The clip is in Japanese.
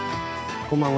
こんばんは。